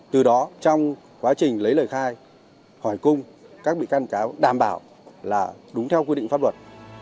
từ đó trong quá trình lấy lời khai hỏi cung các bị can cáo đảm bảo là đúng theo quy định pháp luật